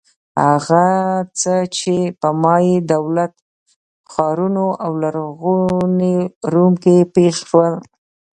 هغه څه چې په مایا دولت-ښارونو او لرغوني روم کې پېښ شول.